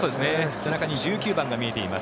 背中に１９番が見えています